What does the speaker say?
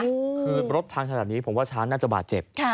คือรถพังขนาดนี้ผมว่าช้างน่าจะบาดเจ็บ